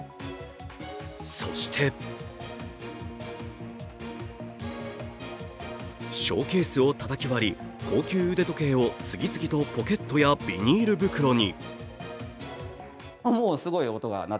そしてショーケースをたたき割り高級腕時計を次々とポケットやビニール袋に。